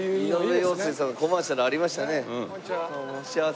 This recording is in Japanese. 井上陽水さんのコマーシャルありましたね。